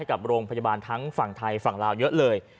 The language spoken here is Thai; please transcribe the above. กับโรงพยาบาลทั้งฝั่งไทยฝั่งลาวเยอะเลย